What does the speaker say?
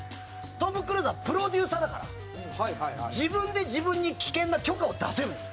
トム・クルーズはプロデューサーだから自分で自分に危険な許可を出せるんですよ。